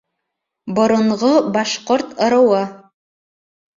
Боронғо башҡорт ырыуы